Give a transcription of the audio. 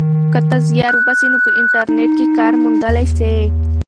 که ته زیار وباسې نو په انټرنیټ کې کار موندلی سې.